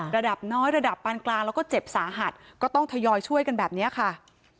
ระดับน้อยระดับปานกลางแล้วก็เจ็บสาหัสก็ต้องทยอยช่วยกันแบบนี้ค่ะ